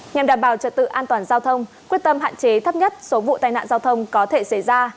nhằm đảm bảo trật tự an toàn giao thông quyết tâm hạn chế thấp nhất số vụ tai nạn giao thông có thể xảy ra